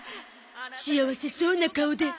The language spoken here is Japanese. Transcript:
幸せそうな顔で。